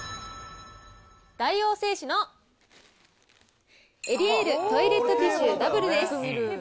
大王製紙の、エリエールトイレットティシューダブルです。